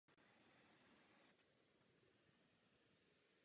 Divadlo sídlí v současné době ve třech budovách.